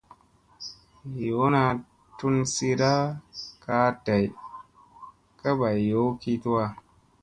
Yoona tun siida kaa day ka bay yow ki tuwa.